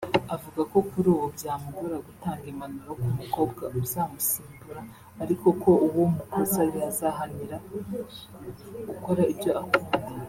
Avuga ko kuri ubu byamugora gutanga impanuro ku mukobwa uzamusimbura ariko ko uwo mukoza yazahanira gukora ibyo akunda